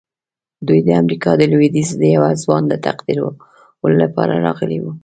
دوی د امریکا د لويديځ د یوه ځوان د تقدیرولو لپاره راغلي وو